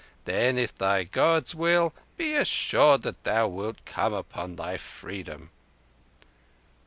Then, if thy Gods will, be assured that thou wilt come upon thy freedom."